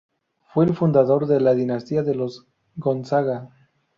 Fue el fundador de la dinastía de los Gonzaga.